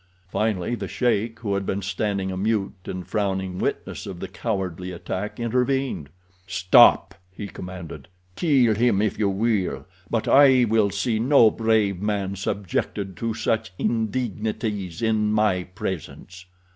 Finally the sheik, who had been standing a mute and frowning witness of the cowardly attack, intervened. "Stop!" he commanded. "Kill him if you will, but I will see no brave man subjected to such indignities in my presence.